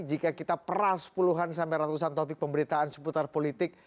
jika kita peras puluhan sampai ratusan topik pemberitaan seputar politik